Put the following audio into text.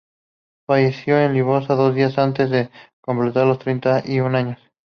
Falleció en Lisboa dos días antes de completar los treinta y un años.